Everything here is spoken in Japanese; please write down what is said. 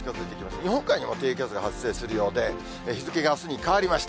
日本海にも低気圧が発生するようで、日付があすに変わりました。